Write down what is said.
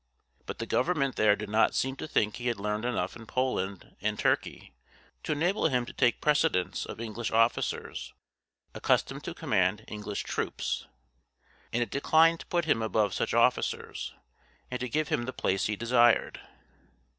But the government there did not seem to think he had learned enough in Poland and Turkey to enable him to take precedence of English officers accustomed to command English troops, and it declined to put him above such officers, and to give him the place he desired.